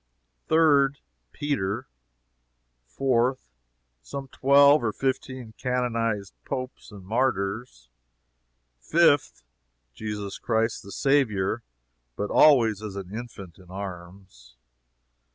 Third Peter. Fourth Some twelve or fifteen canonized Popes and martyrs. Fifth Jesus Christ the Saviour (but always as an infant in arms.)